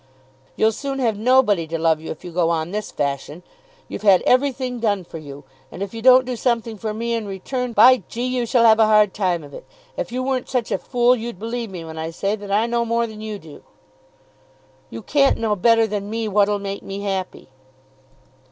"You'll soon have nobody to love you, if you go on this fashion. You've had everything done for you, and if you don't do something for me in return, by G you shall have a hard time of it. If you weren't such a fool you'd believe me when I say that I know more than you do." "You can't know better than me what'll make me happy."